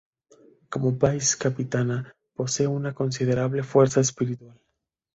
Como Vice-capitana posee una considerable fuerza espiritual.